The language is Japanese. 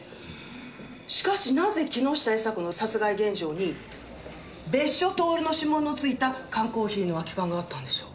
しかしなぜ木下伊沙子の殺害現場に別所透の指紋のついた缶コーヒーの空き缶があったんでしょう？